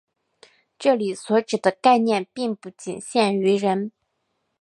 这里所指的概念并不仅限于人。